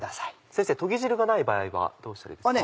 先生とぎ汁がない場合はどうしたらいいですか？